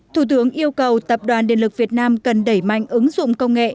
thủ tướng yêu cầu tập đoàn điện lực việt nam cần đẩy mạnh ứng dụng công nghệ